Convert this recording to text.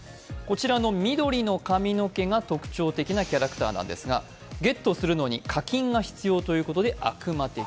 緑の髪の毛が特徴的なキャラクターなんですが、ゲットするのに課金が必要ということで悪魔的。